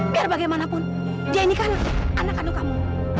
biar bagaimanapun dia ini kan anak kandung kamu